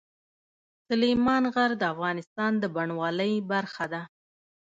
سلیمان غر د افغانستان د بڼوالۍ برخه ده.